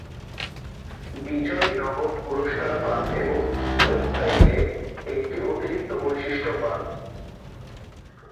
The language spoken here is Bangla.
বিজয়ী নগদ পুরস্কার পান এবং ওয়েবসাইটে একটি অতিরিক্ত বৈশিষ্ট্য পান।